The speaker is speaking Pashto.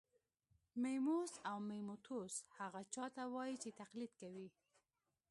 میموس او میموتوس هغه چا ته وايي چې تقلید کوي